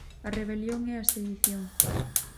A rebelión e a sedición.